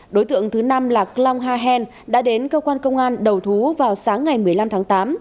đối tượng thứ năm là klang ha hen đã đến cơ quan công an đầu thú vào sáng ngày một mươi năm tháng tám